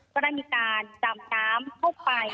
ก็ได้มีการดำน้ำเข้าไป